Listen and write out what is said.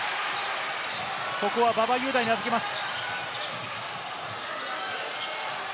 ここは馬場雄大に預けます。